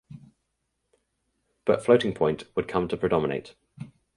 But floating point would come to predominate.